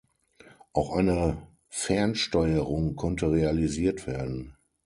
Auch eine Fernsteuerung konnte realisiert werden.